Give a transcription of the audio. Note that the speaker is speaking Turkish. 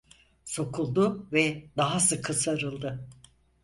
Sokuldu ve daha sıkı sarıldı.